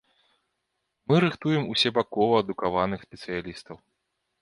Мы рыхтуем усебакова адукаваных спецыялістаў.